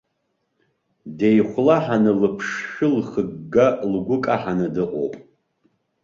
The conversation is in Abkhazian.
Деихәлаҳаны, лыԥшшәы лхыгга, лгәы каҳаны дыҟоуп.